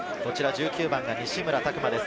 １９番が西村拓真です。